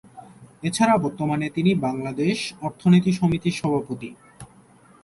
এছাড়া বর্তমানে তিনি বাংলাদেশ অর্থনীতি সমিতির সভাপতি।